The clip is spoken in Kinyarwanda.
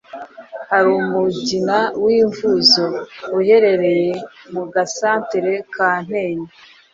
Hari umugina w’imvuzo, uherereye mu gasantere ka Ntenyo,